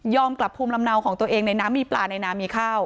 กลับภูมิลำเนาของตัวเองในน้ำมีปลาในน้ำมีข้าว